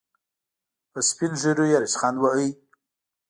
په سپين ږيرو يې ريشخند وواهه.